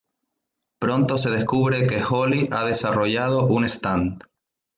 Pronto se descubre que Holy ha desarrollado un Stand.